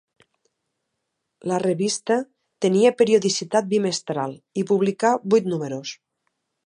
La revista tenia periodicitat bimestral i publicà vuit números.